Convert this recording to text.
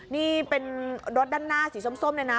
นี่เป็นรถด้านหน้าสีส้มเลยนะ